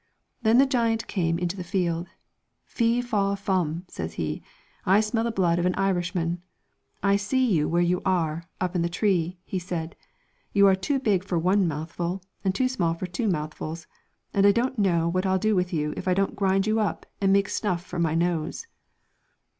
Then the giant came into the field. ' Fee faw fum,' says he, ' I smell the blood of an Irishman. I see you where you are, up in the tree,' he said ; 'you are too big for one mouthful, and too small for two mouthfuls, and I don't know what I'll do with you if I don't grind you up and make snuff for my nose.'